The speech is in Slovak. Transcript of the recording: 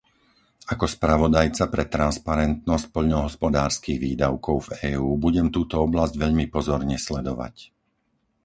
Ako spravodajca pre transparentnosť poľnohospodárskych výdavkov v EÚ budem túto oblasť veľmi pozorne sledovať.